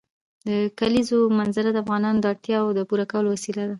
د کلیزو منظره د افغانانو د اړتیاوو د پوره کولو وسیله ده.